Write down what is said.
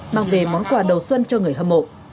mang về món quà đầu xuân cho người hâm mộ